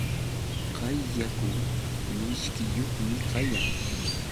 Kay yaku mishkiyuqmi kayan.